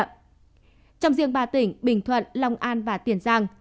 trong ba tỉnh bình thuận long an và tiền giang